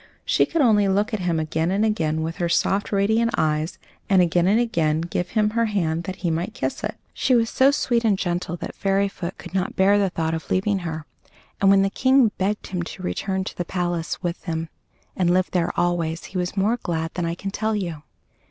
She could only look at him again and again with her soft, radiant eyes, and again and again give him her hand that he might kiss it. She was so sweet and gentle that Fairyfoot could not bear the thought of leaving her; and when the King begged him to return to the palace with them and live there always, he was more glad than I can tell you.